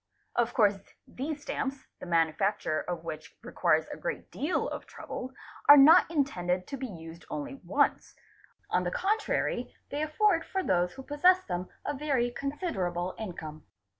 Of course these stamps, the manufacture of which requires a great deal of trouble, are not intended to be used only once, on the contrary they afford for those who possess them a very considerable income.